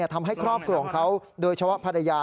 ทำให้ครอบครัวของเขาโดยเฉพาะภรรยา